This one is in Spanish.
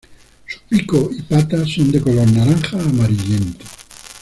Su pico y patas son de color naranja amarillento.